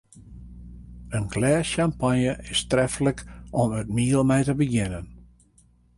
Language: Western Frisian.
In glês sjampanje is treflik om it miel mei te begjinnen.